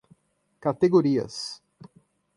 categorias